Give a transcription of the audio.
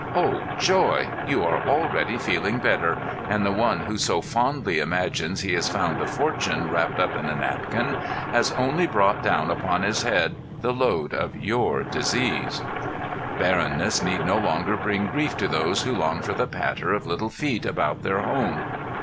Oh joy! you are already feeling better, and the one who so fondly imagines he has found a fortune wrapped up in a napkin, has only brought down upon his head the load of your disease! Barrenness need no longer bring grief to those who long for the patter of little feet about their home.